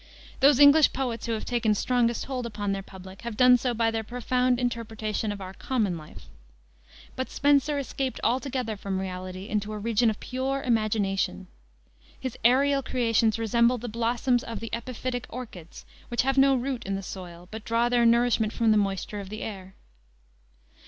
Those English poets who have taken strongest hold upon their public have done so by their profound interpretation of our common life. But Spenser escaped altogether from reality into a region of pure imagination. His aerial creations resemble the blossoms of the epiphytic orchids, which have no root in the soil, but draw their nourishment from the moisture of the air.